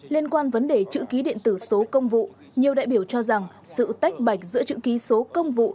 liên quan vấn đề chữ ký điện tử số công vụ nhiều đại biểu cho rằng sự tách bạch giữa chữ ký số công vụ